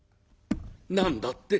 「何だって？